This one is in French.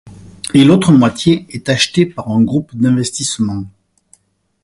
Et l'autre moitié est acheté par un groupe d'investissement.